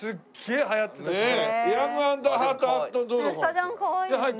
スタジャンかわいいですね。